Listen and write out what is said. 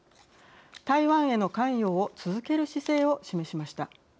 台湾への関与を続ける姿勢を示しました。